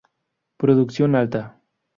Producción alta.